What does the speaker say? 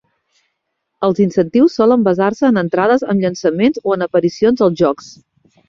Els incentius solen basar-se en entrades amb llançaments o en aparicions als jocs.